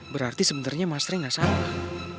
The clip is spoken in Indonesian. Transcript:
berarti sebenarnya mas rey gak salah